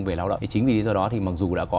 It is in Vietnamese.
về lao động chính vì lý do đó thì mặc dù đã có